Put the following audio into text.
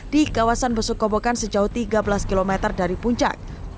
di kawasan besuk kobokan sejauh tiga belas km dari puncak